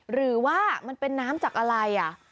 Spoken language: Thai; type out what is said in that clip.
หรือว่ามันเป็นน้ำจากอะไร